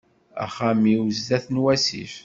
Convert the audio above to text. Axxam-iw sdat n wasif.